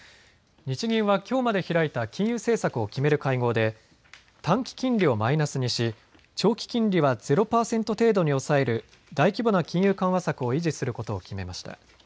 日銀はきょうまで開いた金融政策を決める会合で短期金利をマイナスにし長期金利はゼロ％程度に抑える大規模な金融緩和策を維持することを決めました。